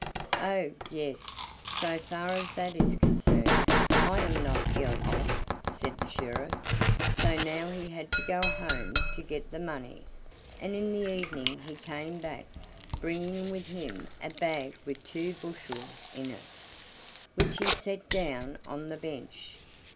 "Oh! yes; so far as that is concerned, I am not ill off," said the sheriff. So now he had to go home to get the money, and in the evening he came back, bringing with him a bag with two bushels in it, which he set down on the bench.